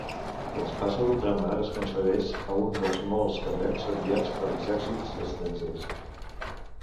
L'Espasa d'Ultramar es concedeix a un dels molts cadets enviats per exèrcits estrangers.